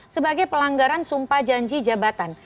sebagai pelanggaran sumpah janji jabatan